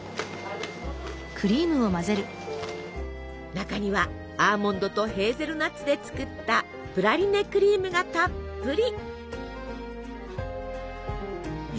中にはアーモンドとヘーゼルナッツで作ったプラリネクリームがたっぷり。